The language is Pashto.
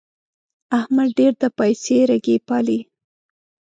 احمد ډېر د پايڅې رګی پالي.